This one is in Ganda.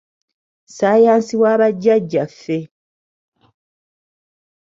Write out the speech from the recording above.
Ssaayansi wa bajjaajjaffe !